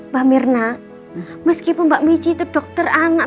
mbak mirna meskipun mbak mici itu dokter anak